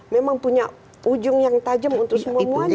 memang punya ujung yang tajam untuk semuanya